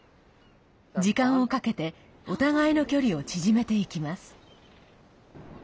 時間をかけてお互いの距離を縮めていきます。